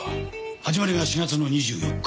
始まりが４月の２４日。